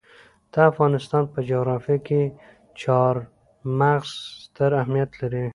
د افغانستان په جغرافیه کې چار مغز ستر اهمیت لري.